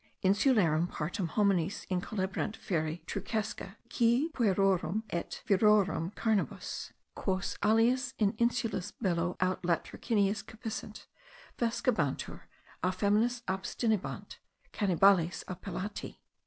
"Insularum partem homines incolebant feri trucesque, qui puerorum et virorum carnibus, quos aliis in insulus bello aut latrociniis cepissent, vescebantur; a feminis abstinebant; Canibales appellati."